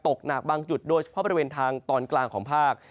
หนักบางจุดโดยเฉพาะบริเวณทางตอนกลางของภาค